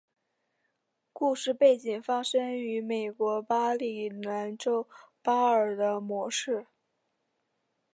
故事背景发生于美国马里兰州巴尔的摩市。